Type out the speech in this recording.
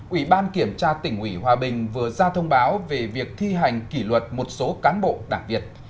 ủy ban kiểm tra tỉnh ủy hòa bình vừa ra thông báo về việc thi hành kỷ luật một số cán bộ đảng việt